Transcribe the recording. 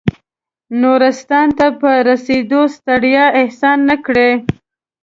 نورستان ته په رسېدو ستړیا احساس نه کړه.